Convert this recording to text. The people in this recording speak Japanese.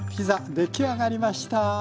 出来上がりました。